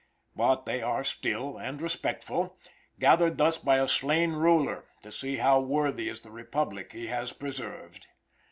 But they are still and respectful, gathered thus by a slain ruler, to see how worthy is the republic he has preserved.